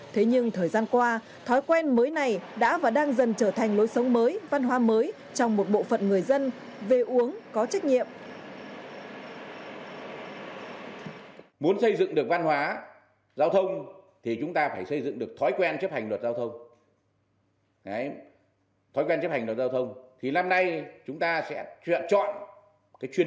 thế nhưng thời gian qua thói quen mới này đã và đang dần trở thành lối sống mới văn hóa mới trong một bộ phận người dân về uống có trách nhiệm